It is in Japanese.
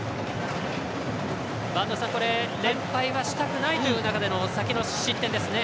播戸さん連敗はしたくないという中の先の失点ですね。